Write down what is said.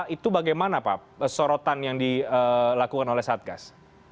itu bagaimana pak sorotan yang dilakukan oleh saat gas